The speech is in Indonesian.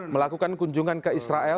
melakukan kunjungan ke israel